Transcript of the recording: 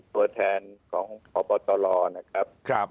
ตัวแทนของพบตรนะครับ